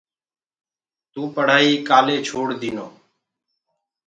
تو پڙهآئي ڪآلي ڇوڙ دينو۔